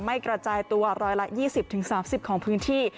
ไม่กระจายตัวรอยละยี่สิบถึงสามสิบของพื้นที่